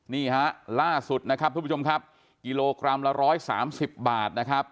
นี่ฮะล่าสุดนะครับทุกผู้ชมครับกิโลกรัมละ๑๓๐บาทนะครับ